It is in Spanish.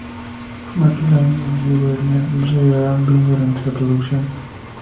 MacLaine y Winger no se llevaron bien durante la producción.